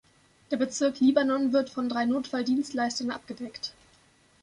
Der Bezirk Libanon wird von drei Notfalldienstleistern abgedeckt.